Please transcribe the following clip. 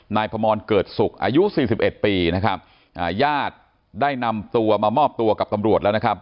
นายพมรเกิดสุขอายุ๔๑ปีนะครับญาติได้นำตัวมามอบตัวกับตำรวจแล้วนะครับ